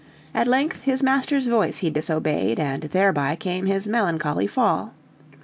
At length, his master's voice he disobeyed, And thereby came his melancholy fall.